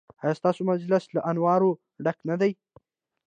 ایا ستاسو مجلس له انوارو ډک نه دی؟